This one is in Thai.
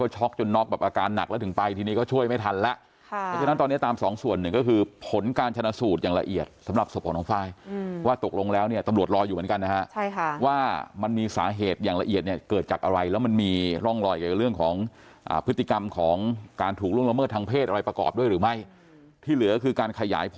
ช็อกจนน็อกแบบอาการหนักแล้วถึงไปทีนี้ก็ช่วยไม่ทันแล้วค่ะเพราะฉะนั้นตอนเนี้ยตามสองส่วนหนึ่งก็คือผลการชนะสูตรอย่างละเอียดสำหรับศพของน้องฟ้ายอืมว่าตกลงแล้วเนี้ยตำรวจรออยู่เหมือนกันนะฮะใช่ค่ะว่ามันมีสาเหตุอย่างละเอียดเนี้ยเกิดจากอะไรแล้วมันมีร่องรอยกับเรื่องของอ่าพฤติกร